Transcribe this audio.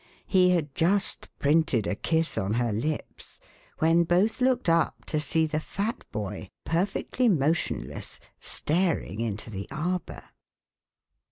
He had just printed a kiss on her lips when both looked up to see the fat boy, perfectly motionless, staring into the arbor.